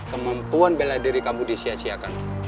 kemampuan bela diri kamu disia siakan